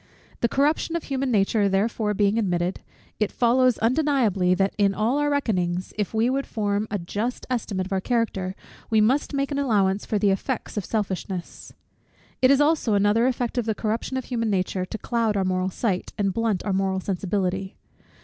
The corruption of human nature therefore being admitted, it follows undeniably, that in all our reckonings, if we would form a just estimate of our character, we must make an allowance for the effects of selfishness. It is also another effect of the corruption of human nature, to cloud our moral sight, and blunt our moral sensibility.